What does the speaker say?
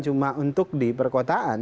cuma untuk di perkotaan